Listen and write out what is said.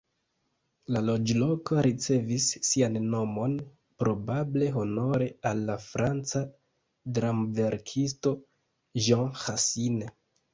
La loĝloko ricevis sian nomon probable honore al la franca dramverkisto Jean Racine.